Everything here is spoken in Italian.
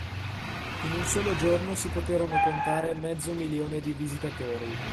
In un solo giorno si poterono contare mezzo milione di visitatori.